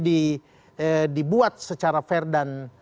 dibuat secara fair dan